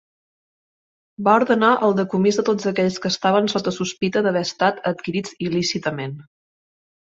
Va ordenar el decomís de tots aquells que estaven sota sospita d'haver estat adquirits il·lícitament.